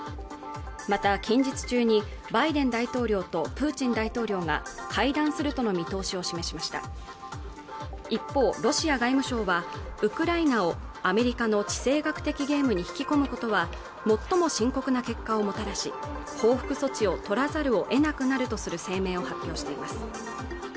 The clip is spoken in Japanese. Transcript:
また近日中にバイデン大統領とプーチン大統領が会談するとの見通しを示しました一方ロシア外務省はウクライナをアメリカの地政学的ゲームに引き込むことは最も深刻な結果をもたらし報復措置を取らざるを得なくなるとする声明を発表しています